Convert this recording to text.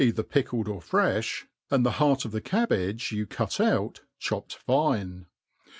117 ettfer pickled or freOi, and the heart of the cabbage you cQt oat chopped fine.